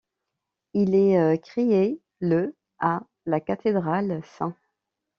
Il est créé le à la cathédrale St.